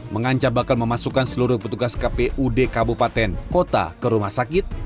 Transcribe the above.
mengancam bakal memasukkan seluruh petugas kpud kabupaten kota ke rumah sakit